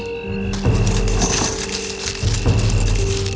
kepala kuil suci